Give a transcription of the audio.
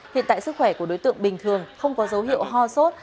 hiện tại sức khỏe của đối tượng bình thường không có dấu hiệu ho sốt